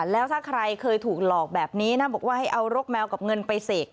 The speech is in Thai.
แล้วถ้าใครเคยถูกหลอกแบบนี้นะบอกว่าให้เอารกแมวกับเงินไปเสก